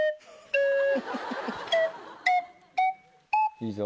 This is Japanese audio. いいぞ。